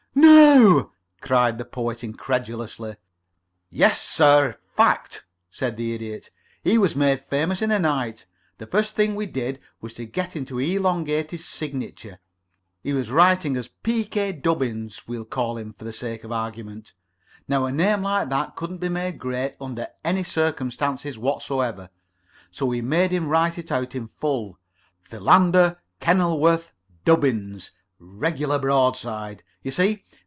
"No!" cried the Poet, incredulously. "Yes, sir. Fact!" said the Idiot. "He was made famous in a night. The first thing we did was to get him to elongate his signature. He was writing as P. K. Dubbins we'll call him, for the sake of the argument. Now a name like that couldn't be made great under any circumstances whatsoever, so we made him write it out in full: Philander Kenilworth Dubbins regular broadside, you see.